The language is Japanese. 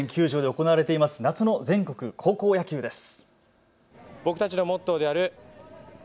甲子園球場で行われています夏の全国高校野球です。